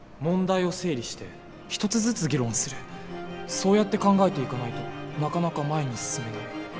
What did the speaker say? そうやって考えていかないとなかなか前に進めない。